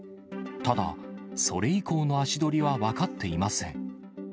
ただ、それ以降の足取りは分かっていません。